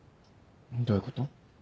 どういうこと？